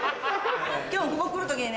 今日ここ来る時にね